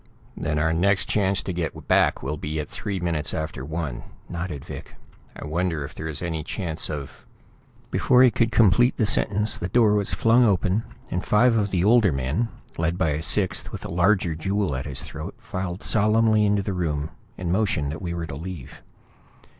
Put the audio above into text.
"Then our next chance to get back will be at three minutes after one," nodded Vic. "I wonder if there is any chance of "Before he could complete the sentence the door was flung open, and five of the older men, led by a sixth with a larger jewel at his throat, filed solemnly into the room and motioned that we were to leave.